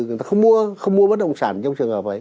người ta không mua bất động sản trong trường hợp ấy